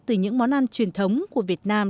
từ những món ăn truyền thống của việt nam